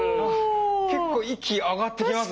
結構息上がってきますね。